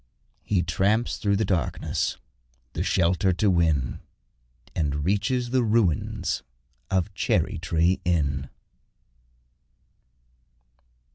He tramps through the darkness the shelter to win, And reaches the ruins of Cherry tree Inn.